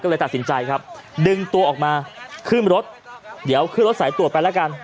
ก็เลยตัดสินใจครับดึงตัวออกมาขึ้นรถเดี๋ยวขึ้นรถสายตรวจไปแล้วกัน